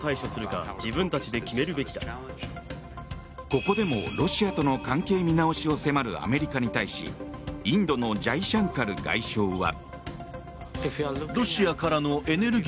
ここでもロシアとの関係見直しを迫るアメリカに対しインドのジャイシャンカル外相は。